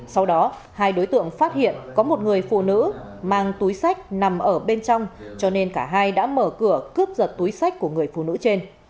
sau đó hai đối tượng phát hiện có một người phụ nữ mang túi sách nằm ở bên trong cho nên cả hai đã mở cửa cướp giật túi sách của người phụ nữ trên